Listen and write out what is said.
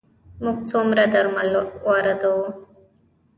موږ څومره درمل واردوو؟